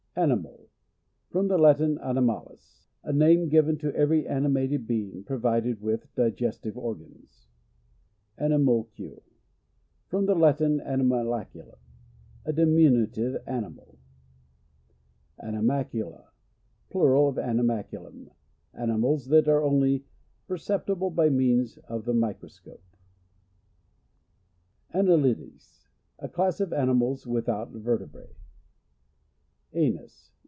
Animal. — From the Latin, animalis — a name given to every animated be ing provided with digestive organs. Animalcule. — From the Latin anu malctilum — a diminutive animal. Animalcula. — Plural of aninialcu lum — animals that are only per ceptible by means of the micro scope. Annelides. — A class of animals with out vertebra?. Anus.